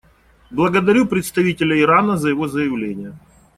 Благодарю представителя Ирана за его заявление.